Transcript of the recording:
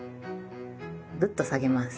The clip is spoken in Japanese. ぐっと下げます。